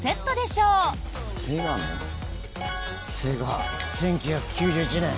セガ１９９１年。